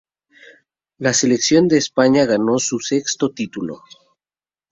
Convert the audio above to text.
La selección de España ganó su sexto título.